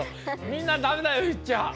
みんなダメだよ言っちゃ。